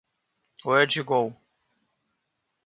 Where'd You Go?